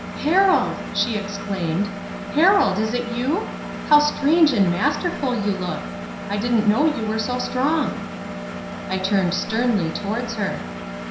"Harold!" she exclaimed. "Harold, is it you? How strange and masterful you look. I didn't know you were so strong." I turned sternly towards her.